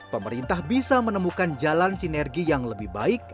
pemerintah bisa menemukan jalan sinergi yang lebih baik